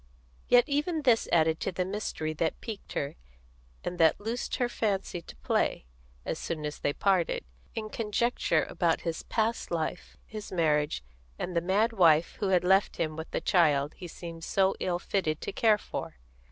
Yet even this added to the mystery that piqued her, and that loosed her fancy to play, as soon as they parted, in conjecture about his past life, his marriage, and the mad wife who had left him with the child he seemed so ill fitted to care for.